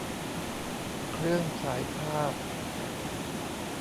เครื่องฉายภาพ